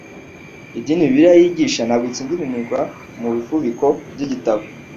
Idini Bibliya yigisha ntabwo ikingiranirwa mu bifuniko by'igitabo